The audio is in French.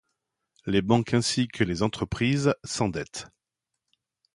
Les banques ainsi que les entreprises s'endettent.